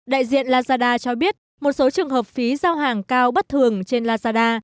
đại diện lazada cho biết một số trường hợp phí giao hàng cao bất thường trên lazada